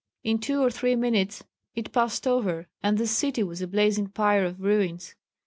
In two or three minutes it passed over, and the city was a blazing pyre of ruins.